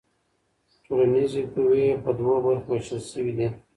ټولنیزې قوې په دوو برخو ویشل سوي دي.